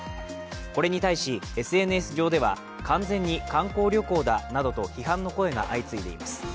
これに対し、ＳＮＳ上では、完全に観光旅行だなどと批判の声が相次いでいます。